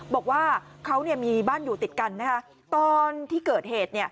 บอกว่าเขามีบ้านอยู่ติดกันนะคะตอนที่เกิดเหตุ